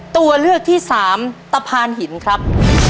ตัวเลือกที่สามตะพานหินครับ